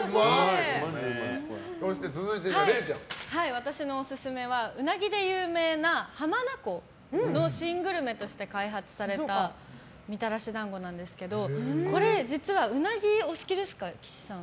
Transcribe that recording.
私のオススメはウナギで有名な浜名湖の新グルメとして開発されたみたらし団子なんですけど実はウナギお好きですか、岸さん。